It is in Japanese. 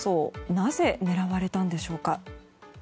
なぜ狙われたんでしょうか。